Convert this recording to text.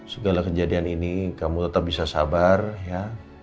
segala kejadian ini kamu tetap bisa sabar ya